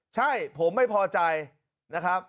ใช่ผมไม่พอใจนะครับ